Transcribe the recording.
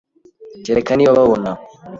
Kereka niba babona